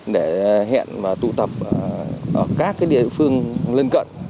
để hẹn và tụ tập ở các địa phương lân cận